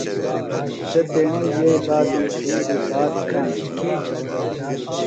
سےۡ تیݨی یئی بابی بِیڈیۡ بات کاݨ تھینِم۔